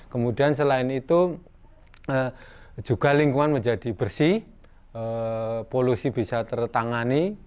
kemudian selain itu juga lingkungan menjadi bersih polusi bisa tertangani